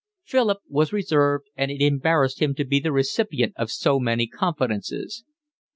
Philip was reserved, and it embarrassed him to be the recipient of so many confidences.